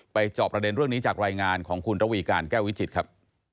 จอบประเด็นเรื่องนี้จากรายงานของคุณระวีการแก้ววิจิตรครับ